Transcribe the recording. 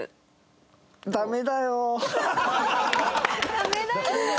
ダメだよお。